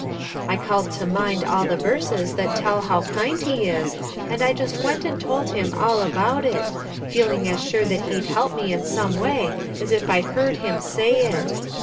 I called to mind all the verses that tell how kind he is, and I just went and told him all about it, feeling as sure that he'd help me in some way as if I'd heard him say it.